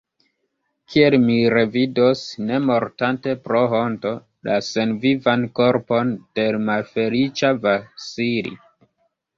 Kiel mi revidos, ne mortante pro honto, la senvivan korpon de l' malfeliĉa Vasili?